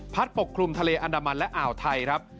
ปกคลุมทะเลอันดามันและอ่าวไทยครับ